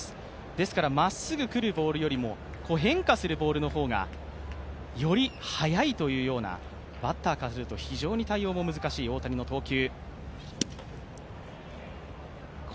ですからまっすぐ来るボールよりも、変化するボールの方がより速いというようなバッターからすると非常に対応も難しい大谷の投球。